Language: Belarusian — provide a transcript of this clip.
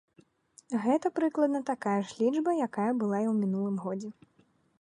Гэта прыкладна такая ж лічба, якая была і ў мінулым годзе.